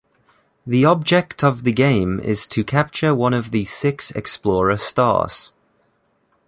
The object of the game is to capture one of the six explorer stars.